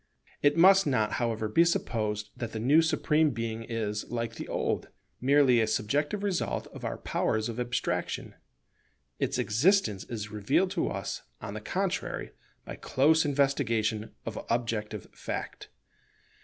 It must not, however, be supposed that the new Supreme Being is, like the old, merely a subjective result of our powers of abstraction. Its existence is revealed to us, on the contrary, by close investigation of objective fact.